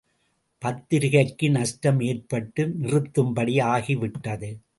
பத்திரிக்கை நஷ்டம் ஏற்பட்டு நிறுத்தும்படி ஆகிவிட்டது.